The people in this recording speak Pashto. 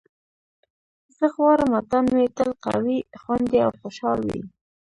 زه غواړم وطن مې تل قوي، خوندي او خوشحال وي.